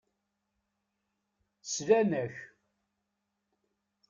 Slan-ak.